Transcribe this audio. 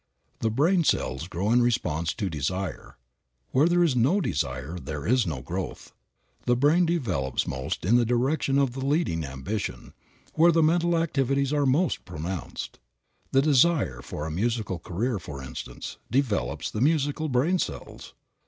The brain cells grow in response to desire. Where there is no desire there is no growth. The brain develops most in the direction of the leading ambition, where the mental activities are the most pronounced. The desire for a musical career, for instance, develops the musical brain cells.